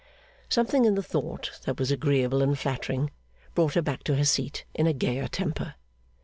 Something in the thought that was agreeable and flattering, brought her back to her seat in a gayer temper.